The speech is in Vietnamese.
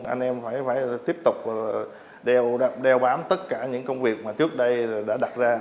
anh em phải tiếp tục đeo bám tất cả những công việc mà trước đây đã đặt ra